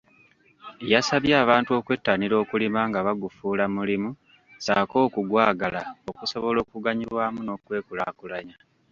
Yasabye abantu okwettanira okulima nga bagufuula mulimu ssaako okugwagala okusobola okuganyulwamu n’okwekulaakulanya.